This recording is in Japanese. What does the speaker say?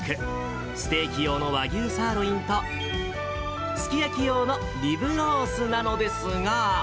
ステーキ用の和牛サーロインと、すき焼き用のリブロースなのですが。